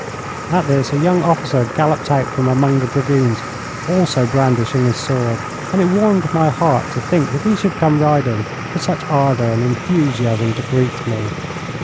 At this a young officer galloped out from among the dragoons, also brandishing his sword, and it warmed my heart to think that he should come riding with such ardour and enthusiasm to greet me.